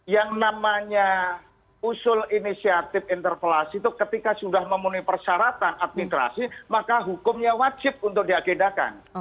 yang namanya usul inisiatif interpelasi itu ketika sudah memenuhi persyaratan administrasi maka hukumnya wajib untuk diagendakan